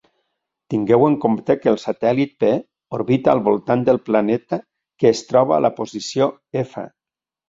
Tingueu en compte que el satèl·lit "P" orbita al voltant del planeta, que es troba a la posició "F".